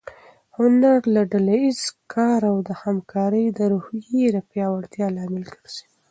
هنر د ډله ییز کار او د همکارۍ د روحیې د پیاوړتیا لامل ګرځي.